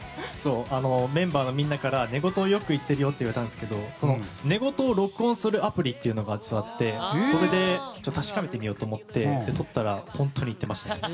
メンバーのみんなから寝言をよく言っているよと言われたんですけど寝言を録音するアプリがあってそれで確かめてみようと思ってとったら本当に言っていました。